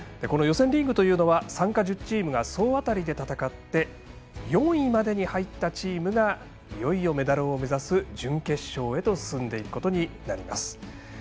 この予選リーグというのは参加１０チームが総当たりで戦って４位までに入ったチームがいよいよメダルを目指す準決勝へと進んでいくことになります。